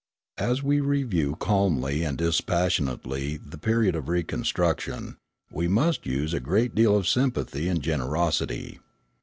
As we review calmly and dispassionately the period of reconstruction, we must use a great deal of sympathy and generosity.